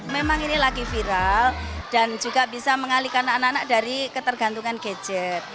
memang ini lagi viral dan juga bisa mengalihkan anak anak dari ketergantungan gadget